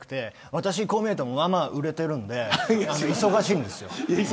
私はこう見えてもまあまあ売れているんで忙しいんです。